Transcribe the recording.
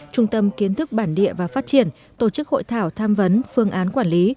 trung tâm kiến thức bản địa và phát triển tổ chức hội thảo tham vấn phương án quản lý